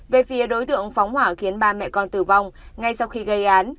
về phía đối tượng phóng hỏa khiến ba mẹ con tử vong ngay sau khi gây án